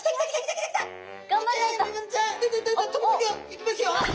いきますよ！